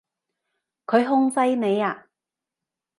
佢控制你呀？